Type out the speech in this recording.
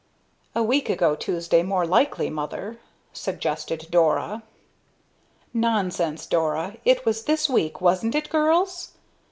"A week ago Tuesday, more likely, mother," suggested Dora. "Nonsense, Dora! It was this week, wasn't it, girls?"